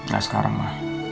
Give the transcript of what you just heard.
gak sekarang ma